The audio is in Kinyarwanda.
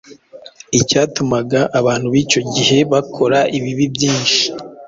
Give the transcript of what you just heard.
icyatumaga abantu b’icyo gihe bakora ibibi byinshi